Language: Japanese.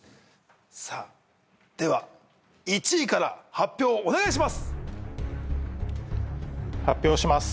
さぁでは１位から発表お願いします発表します